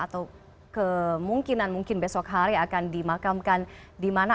atau kemungkinan mungkin besok hari akan dimakamkan di mana